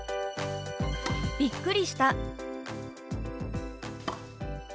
「びっくりした」。